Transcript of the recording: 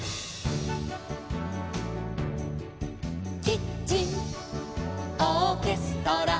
「キッチンオーケストラ」